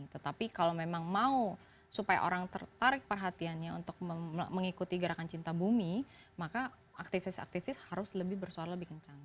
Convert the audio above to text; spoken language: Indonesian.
tetapi kalau memang mau supaya orang tertarik perhatiannya untuk mengikuti gerakan cinta bumi maka aktivis aktivis harus lebih bersuara lebih kencang